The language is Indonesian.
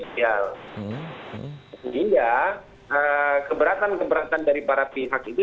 sehingga keberatan keberatan dari para pihak itu